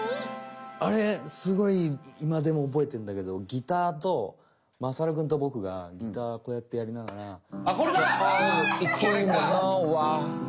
あれすごいいまでもおぼえてんだけどギターとまさるくんとボクがギターこうやってやりながらあこれだ！